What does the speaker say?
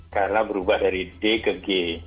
karena berubah dari d ke g